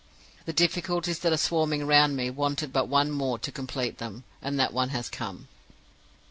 The difficulties that are swarming round me wanted but one more to complete them, and that one has come.